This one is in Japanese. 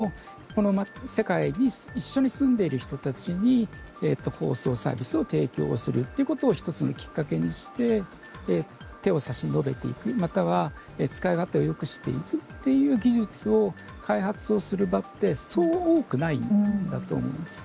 必要とされないかもしれないけれども、この世界に一緒に住んでる人たちに放送サービスを提供をするっていうことを１つのきっかけにして手を差し伸べていく、または使い勝手をよくしていくっていう技術を開発をする場ってそう多くないんだと思うんです。